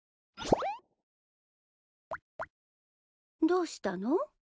どうしたの？